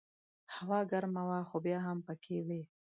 هوا ګرمه وه خو بیا هم پکې وې.